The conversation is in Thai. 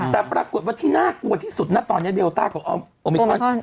แต่ปรากฏว่าที่น่ากลัวที่สุดนะตอนนี้เดลต้าของโอมิคอน